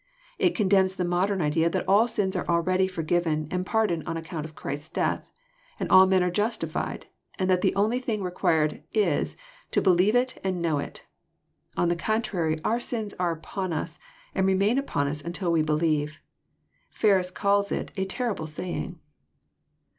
It condemns the modern idea that all sins are already forgiven and pardoned on account of Ghrist^s death, and all men Justified, and that the only thing required is to believe it and know it. (On the contrary our sins are upon us, and remain upon us until we believe. Eerus calls It " a terrible saying."